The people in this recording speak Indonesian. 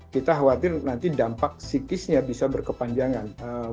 kita khawatir nanti dampak psikisnya bisa berkepanjangan